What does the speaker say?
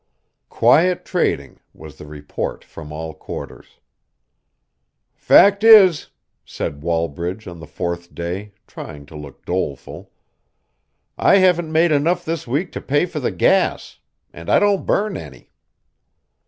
"Quiet trading," was the report from all quarters. "Fact is," said Wallbridge on the fourth day, trying to look doleful, "I haven't made enough this week to pay for the gas and I don't burn any."